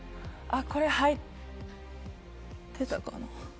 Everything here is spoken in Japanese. これ履いてたかな。